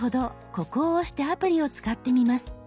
ここを押してアプリを使ってみます。